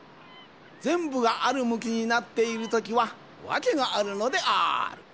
ぜんぶがあるむきになっているときはわけがあるのである。